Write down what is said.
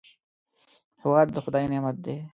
هېواد د خدای نعمت دی